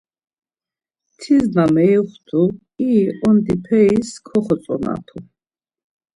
Tis na meyuxtu iri ondi peris koxotzonapu.